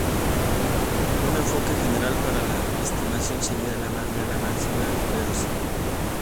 Un enfoque general para la estimación sería determinar la máxima verosimilitud.